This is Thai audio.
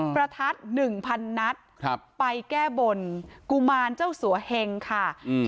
ประทัดหนึ่งพันนัดครับไปแก้บนกุมารเจ้าสัวเฮงค่ะอืม